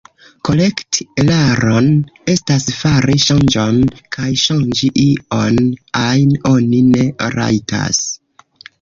Korekti eraron estas fari ŝanĝon, kaj ŝanĝi ion ajn oni ne rajtas.